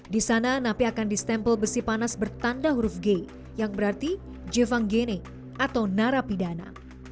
di sana napi akan di stempel besi panas bertanda huruf g yang berarti jevangene atau narapidana